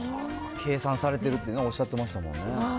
計算されてるっておっしゃってましたもんね。